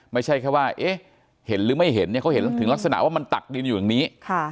ไม่ใช่แค่ว่าเอ๊ะเห็นหรือไม่เห็นเนี่ยเขาเห็นถึงลักษณะว่ามันตักดินอยู่อย่างนี้